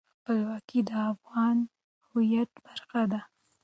خپلواکي د افغان هویت برخه ده.